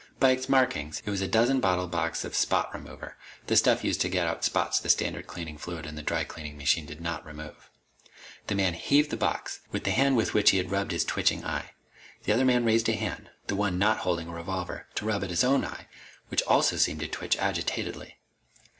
By its markings, it was a dozen bottle box of spot remover the stuff used to get out spots the standard cleaning fluid in the dry cleaning machine did not remove. The man heaved the box, with the hand with which he had rubbed his twitching eye. The other man raised a hand the one not holding a revolver to rub at his own eye, which also seemed to twitch agitatedly.